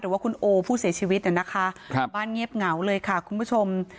ว่าคุณโอผู้เสียชีวิตเนี่ยนะคะครับบ้านเงียบเหงาเลยค่ะคุณผู้ชม